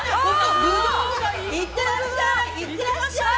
行ってらっしゃい。